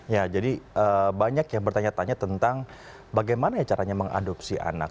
ya jadi banyak yang bertanya tanya tentang bagaimana caranya mengadopsi anak